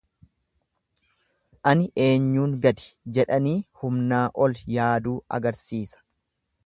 Ani eenyuun gadi jedhanii humnaa ol yaaduu agarsiisa.